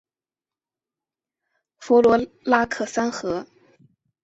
弗洛拉克三河。